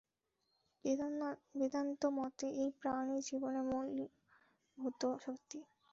বেদান্তমতে এই প্রাণই জীবনের মূলীভূত শক্তি।